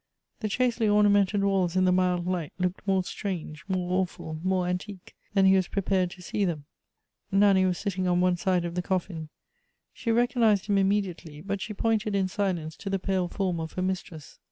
The chastely ornamented walls in the mild light looked more strange, more awful, more antique, than he was prepared to see them. Nanny was sitting on one side of the coffin. She recognized him immediately ; but she pointed in silence to the pale form of her mistress.